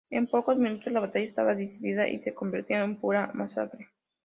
En pocos minutos la batalla estaba decidida y se convertía en pura masacre.